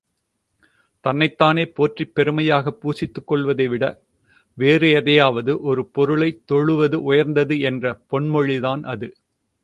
தன்னைத்தானே போற்றிப் பெருமையாகப் பூசித்துக் கொள்வதைவிட வேறு எதையாவது ஒரு பொருளைத் தொழுவது உயர்ந்தது என்ற பொன்மொழிதான் அது.